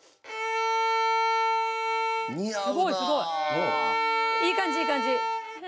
すごいすごい！いい感じいい感じ。